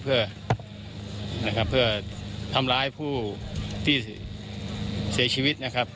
เพื่อทำร้ายผู้ที่เสียชีวิตนะครับ